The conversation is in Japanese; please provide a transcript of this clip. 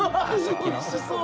おいしそう！